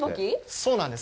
そうなんです。